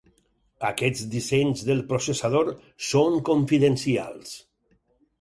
Aquests dissenys del processador són confidencials.